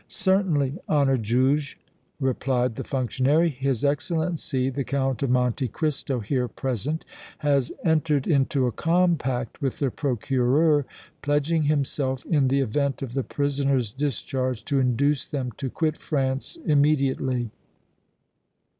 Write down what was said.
"Certainly, honored Juge," replied the functionary. "His Excellency the Count of Monte Cristo, here present, has entered into a compact with the Procureur, pledging himself in the event of the prisoners' discharge to induce them to quit France immediately."